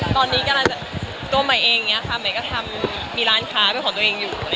ตอนนี้ตัวใหม่เองอยู่มีร้านค้าเพื่อของตัวเองอยู่